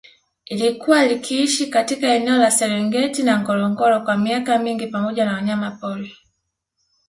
Ilikuwa likiishi katika eneo la Serengeti na Ngorongoro kwa miaka mingi pamoja na wanyamapori